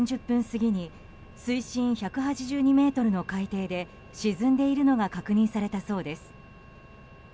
過ぎに水深１８２ｍの海底で沈んでいるのが確認されたそうです。